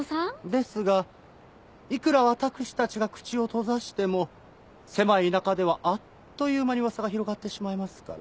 ですがいくらわたくしたちが口を閉ざしても狭い田舎ではあっという間に噂が広がってしまいますから。